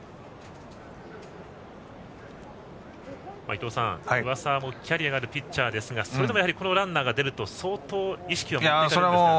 伊東さん、上沢もキャリアのあるピッチャーですがそれでもここでランナーが出ると相当、意識は違ってくるんですか。